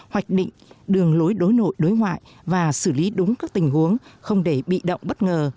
hoạch định đường lối đối nội đối ngoại và xử lý đúng các tình huống không để bị động bất ngờ